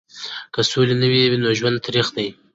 که سوله نه وي نو ژوند تریخ دی.